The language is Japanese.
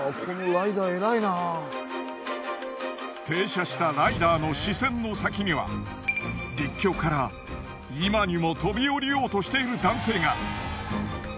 停車したライダーの視線の先には陸橋から今にも飛び降りようとしている男性が！